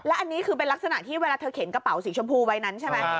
อันนี้คือเป็นลักษณะที่เวลาเธอเข็นกระเป๋าสีชมพูใบนั้นใช่ไหม